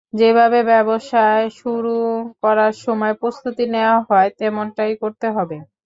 যেভাবে ব্যবসায় শুরু করার সময় প্রস্তুতি নেওয়া হয়, তেমনটাই করতে হবে।